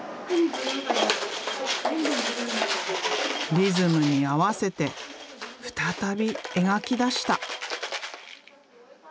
リズムに合わせて再び描きだした！